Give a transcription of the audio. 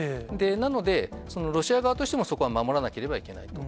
なので、ロシア側としてもそこは守らなければいけないと。